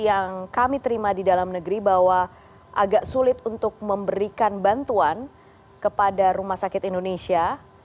yang kami terima di dalam negeri bahwa agak sulit untuk memberikan bantuan kepada rumah sakit indonesia